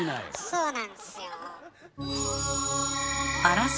そうなんですよ。